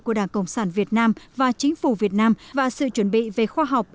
của đảng cộng sản việt nam và chính phủ việt nam và sự chuẩn bị về khoa học